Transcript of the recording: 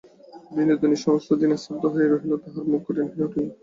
বিনোদিনী সমস্ত দিন স্তব্ধ হইয়া রহিল, তাহার মুখ কঠিন হইয়া উঠিল।